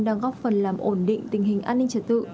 đang góp phần làm ổn định tình hình an ninh trật tự